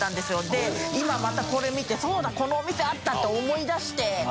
で今またこれ見てそうだこのお店あったって思い出して。